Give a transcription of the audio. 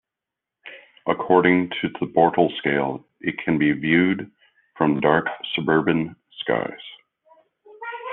According to the Bortle scale, it can be viewed from dark suburban skies.